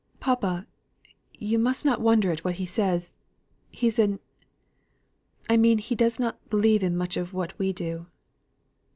"Papa you must not wonder at what he says: he's an , I mean he does not believe much in what we do."